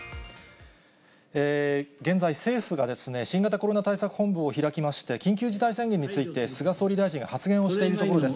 現在、政府が新型コロナ対策本部を開きまして、緊急事態宣言について、菅総理大臣が発言をしているところです。